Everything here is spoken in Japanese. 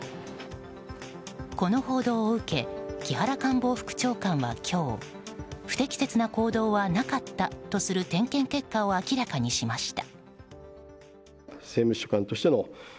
この報道を受け木原官房副長官は今日不適切な行動はなかったとする点検結果を明らかにしました。